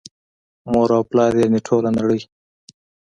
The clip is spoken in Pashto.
مور او پلار یعني ټوله نړۍ